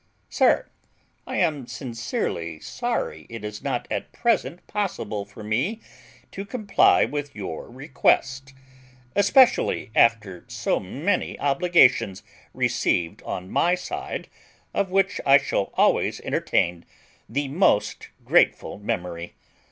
SIR, I am sincerely sorry it is not at present possible for me to comply with your request, especially after so many obligations received on my side, of which I shall always entertain the most greateful memory.